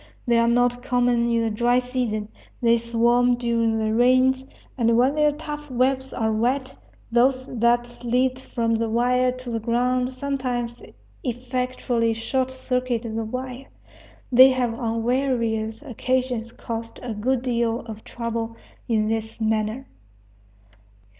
They are not common in the dry season. They swarm during the rains; and, when their tough webs are wet, those that lead from the wire to the ground sometimes effectually short circuit the wire. They have on various occasions caused a good deal of trouble in this manner.